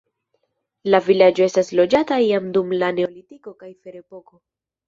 La vilaĝo estis loĝata jam dum la neolitiko kaj ferepoko.